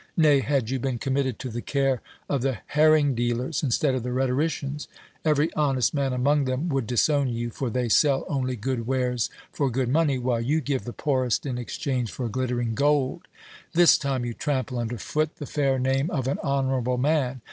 Nay, had you been committed to the care of the herring dealers, instead of the rhetoricians, every honest man among them would disown you, for they sell only good wares for good money, while you give the poorest in exchange for glittering gold. This time you trample under foot the fair name of an honourable man.